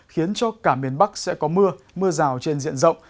khiến cho cả miền bắc sẽ có mưa mưa rào trên diện rộng